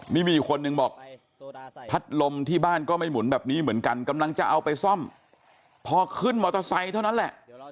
นี่มีอีกคนนึงบอกพัดลมที่บ้านก็ไม่หมุนแบบนี้เหมือนกันกำลังจะเอาไปซ่อมพอขึ้นมอเตอร์ไซค์เท่านั้นแหละ